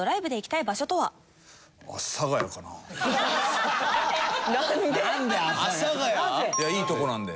いやいいとこなんで。